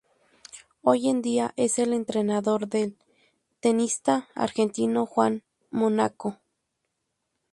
Hoy en día es el entrenador del tenista argentino Juan Mónaco.